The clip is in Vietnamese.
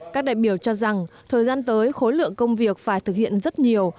các đại biểu cho rằng thời gian tới khối lượng công việc phải thực hiện rất nhiều